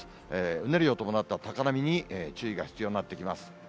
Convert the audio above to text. うねりを伴った高波に注意が必要になってきます。